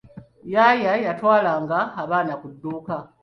Yaaya yatwalanga abaana ku dduuka.